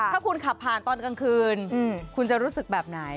ถ้าคุณขับผ่านตอนกลางคืนคุณจะรู้สึกแบบไหน